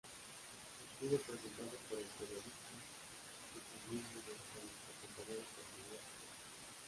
Estuvo presentado por el periodista Secundino González, acompañado por María San Juan.